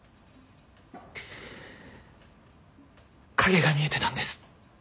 影が見えてたんです